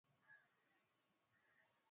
madhehebu Wasuni ni na Washia hivi Ukweli